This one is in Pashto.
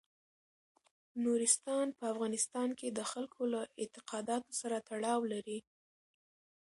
نورستان په افغانستان کې د خلکو له اعتقاداتو سره تړاو لري.